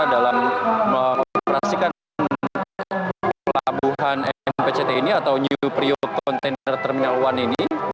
dalam mengoperasikan pelabuhan mpct ini atau new priok container terminal satu ini